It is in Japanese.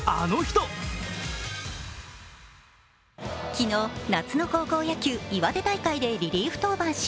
昨日、夏の高校野球・岩手大会でリリーフ登板し